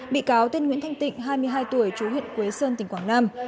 bị cáo tên nguyễn thanh tịnh hai mươi hai tuổi chú huyện quế sơn tỉnh quảng nam